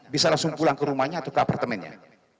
bisa langsung pulang ke rumahnya atau ke apartemennya